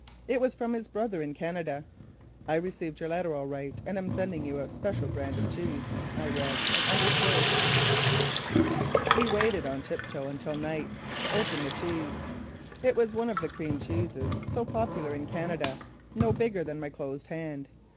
It was from his brother in Canada. "I received your letter all right and am sending you a special brand of cheese," I read and understood. We waited on tiptoe until night, to open the cheese. It was one of the cream cheeses, so popular in Canada, no bigger than my closed hand.